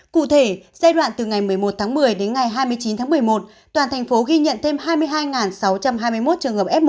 cụ thể giai đoạn từ ngày một mươi một tháng một mươi đến ngày hai mươi chín tháng một mươi một toàn thành phố ghi nhận thêm hai mươi hai sáu trăm hai mươi một trường hợp f một